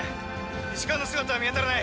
石川の姿は見当たらない。